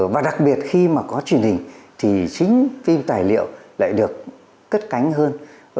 và đặc biệt khi mà có truyền hình thì chính phim tài liệu lại được cất cánh hơn